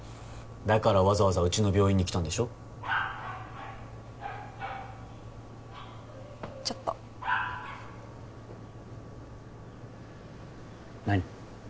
だからわざわざウチの病院に来たんでしょちょっと何？